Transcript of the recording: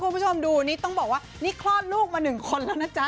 คุณผู้ชมดูนี่ต้องบอกว่านี่คลอดลูกมาหนึ่งคนแล้วนะจ๊ะ